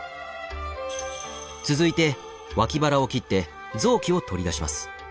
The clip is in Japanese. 続いて脇腹を切って臓器を取り出します。